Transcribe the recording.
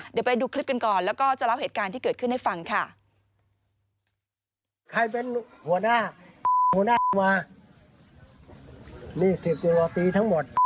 เดี๋ยวไปดูคลิปกันก่อนแล้วก็จะเล่าเหตุการณ์ที่เกิดขึ้นให้ฟังค่ะ